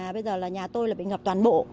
bây giờ nhà tôi bị ngập toàn bộ